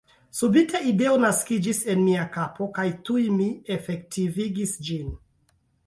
Subite ideo naskiĝis en mia kapo kaj tuj mi efektivigis ĝin.